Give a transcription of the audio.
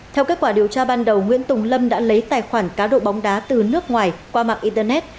theo kết quả điều tra ban đầu nguyễn tùng lâm đã lấy tài khoản cá độ bóng đá từ nước ngoài qua mạng internet